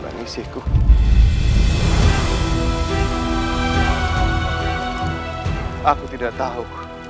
aku tidak tahu